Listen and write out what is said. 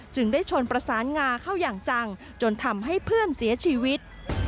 ได้ชนประสานงาเข้าอย่างจังจนทำให้เพื่อนเสียชีวิต